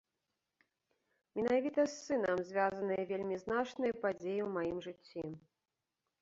Менавіта з сынам звязаныя вельмі значныя падзеі ў маім жыцці.